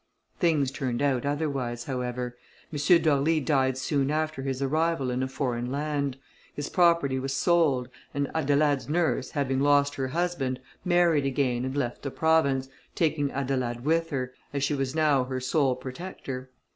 Things turned out otherwise, however: M. d'Orly died soon after his arrival in a foreign land; his property was sold, and Adelaide's nurse having lost her husband, married again, and left the province, taking Adelaide with her, as she was now her sole protector.